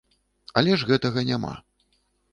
Але ж гэтага няма.